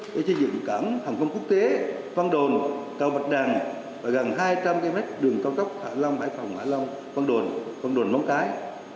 để chế dựng cảng hàng công quốc tế văn đồn cầu bạch đàn và gần hai trăm linh km đường cao tốc hải long hải phòng hải long văn đồn văn đồn móng cái